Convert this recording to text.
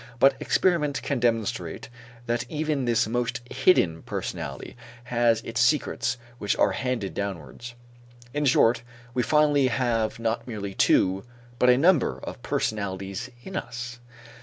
But experiment can demonstrate that even this most hidden personality has still its secrets which are handed downwards. In short, we finally have not merely two but a number of personalities in us.